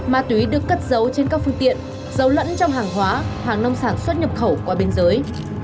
ma túy được cất giấu trên các phương tiện dấu lẫn trong hàng hóa hàng nông sản xuất nhập khẩu qua biên giới